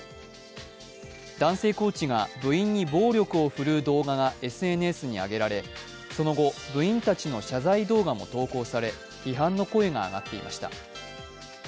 男性コーチが部員に暴力をふるう動画がＳＮＳに上げられその後、部員たちの謝罪動画も投稿され、批判の声が上がっていました。